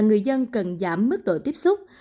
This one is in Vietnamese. người dân cần giảm mức độ tiếp xúc